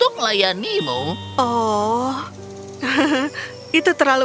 oo oo cah tidak sesebuah baju tersebut